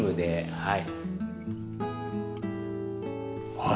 はい。